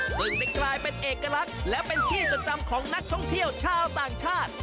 ซึ่งได้กลายเป็นเอกลักษณ์และเป็นที่จดจำของนักท่องเที่ยวชาวต่างชาติ